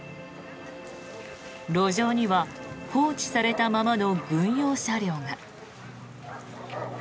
路上には放置されたままの軍用車両が。